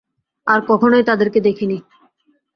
আর কখনোই তাদেরকে দেখিনি।